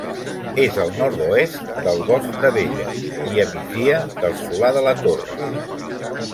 És al nord-oest del Bosc d'Abella i a migdia del Solà de la Torre.